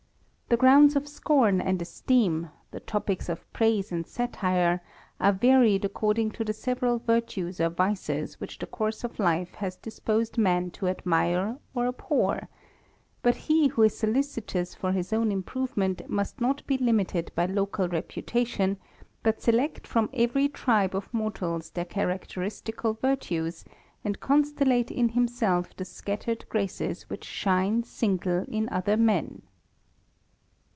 The grounds of scorn and esteem, the topicks of praise and satire, are varied according to tlie several virtues or vices which the course of life has disposed men Id admire or abhor ; but he who is solicitous for his own improvement must not be limited by local reputation, but select from every tribe of mortals their characteristical virtues, and constellate in himself the scattered graces which shine ■ingle in other men.